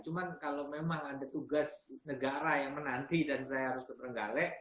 cuma kalau memang ada tugas negara yang menanti dan saya harus ke trenggalek